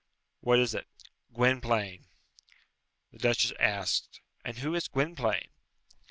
"What is it?" "Gwynplaine." The duchess asked, "And who is Gwynplaine?"